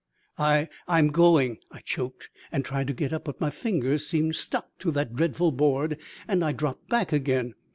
"I I'm going." I choked and tried to get up but my fingers seemed stuck to that dreadful board and I dropped back again.